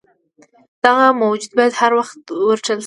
دغه موجود باید هروخت ورټل شي.